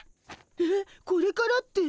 えっこれからって？